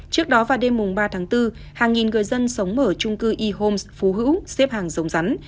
trước đó vào đêm ba tháng bốn hàng nghìn người dân sống ở trung cư y homes phú hữu xếp hàng giống rắn